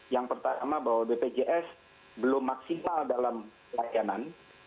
yang pertama bahwa bpjs belum maksimal dalam pelayanan